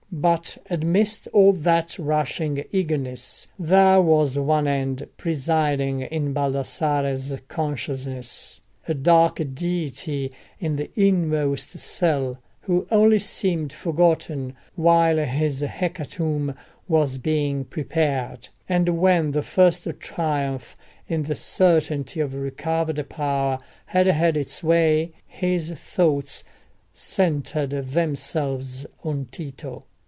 But amidst all that rushing eagerness there was one End presiding in Baldassarre's consciousness,—a dark deity in the inmost cell, who only seemed forgotten while his hecatomb was being prepared. And when the first triumph in the certainty of recovered power had had its way, his thoughts centred themselves on Tito.